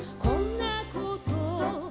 「こんなこと」